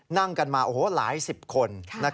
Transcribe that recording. นั่งกันมาหลายสิบคน